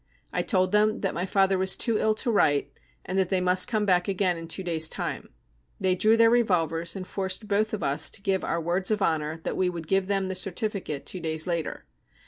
I told them that my father was too ill to write, and that they must come back again in two days' time. They drew their revolvers and forced both of us to give our words of honour that we would give them the certificate two days later.